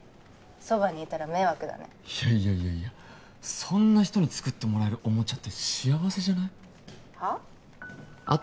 そばにいたら迷惑だねいやいやいやいやそんな人に作ってもらえるおもちゃって幸せじゃない？はあ？